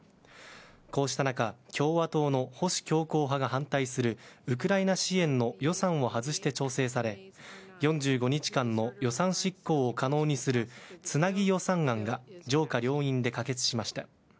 こうした中共和党の保守強硬派が反対するウクライナ支援の予算を外して調整され４５日間の予算執行を可能にするつなぎ予算案が上下両院で可決しました。